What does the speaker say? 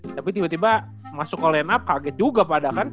tapi tiba tiba masuk ke line up kaget juga padahal kan